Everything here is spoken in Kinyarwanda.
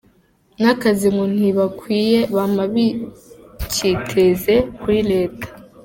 N'akazi ngo ntibakwiye bama bikiteze kuri leta.